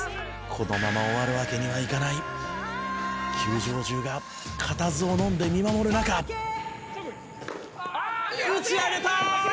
「このまま終わるわけにはいかない」「球場中がかたずをのんで見守る中」「打ち上げた！」